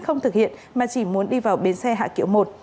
không thực hiện mà chỉ muốn đi vào bến xe hạ kiệu một